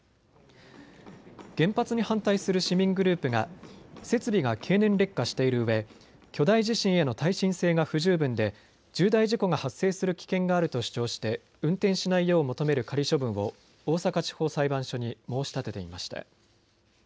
原発に反対する市民グループが設備が経年劣化しているうえ巨大地震への耐震性が不十分で重大事故が発生する危険があると主張して運転しないよう求める仮処分を大阪地方裁判所に申し立てていました。